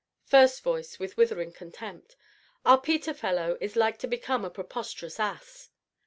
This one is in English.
FIRST VOICE (with withering contempt). Our Peter fellow is like to become a preposterous ass.